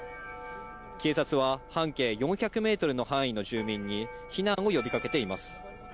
警察は半径４００メートルの範囲の住民に、避難を呼びかけています。